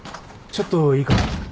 ちょっといいかな？